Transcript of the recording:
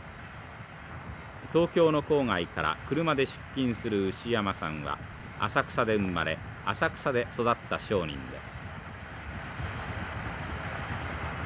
東京の郊外から車で出勤する牛山さんは浅草で生まれ浅草で育った商人です。